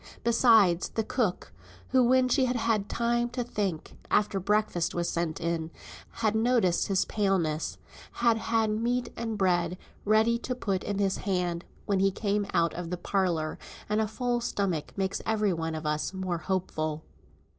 Besides, the cook, who, when she had had time to think, after breakfast was sent in, had noticed his paleness, had had meat and bread ready to put in his hand when he came out of the parlour; and a full stomach makes every one of us more hopeful.